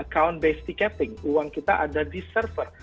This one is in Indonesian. kita ada account based tcapping uang kita ada di server